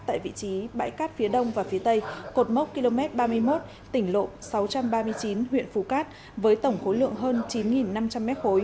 tại vị trí bãi cát phía đông và phía tây cột mốc km ba mươi một tỉnh lộ sáu trăm ba mươi chín huyện phù cát với tổng khối lượng hơn chín năm trăm linh m ba